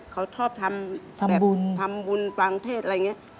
เขาชอบทำปันติวรูปฟังเทศอะไรอย่างงี้